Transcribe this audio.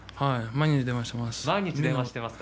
毎日電話しています